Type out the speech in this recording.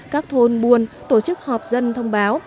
các thôn buôn tổ chức họp dân thông báo